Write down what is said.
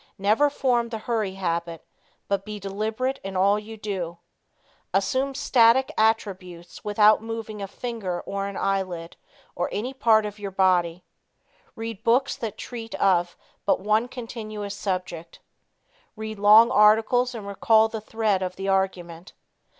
Never form the hurry habit, but be deliberate in all you do. Assume static attitudes without moving a finger or an eyelid, or any part of your body. Read books that treat of but one continuous subject. Read long articles and recall the thread of the argument.